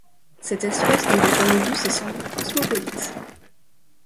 Cette espèce ne vit qu'en eau douce et semble cosmopolite.